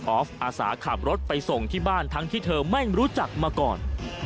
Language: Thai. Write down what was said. อฟอาสาขับรถไปส่งที่บ้านทั้งที่เธอไม่รู้จักมาก่อน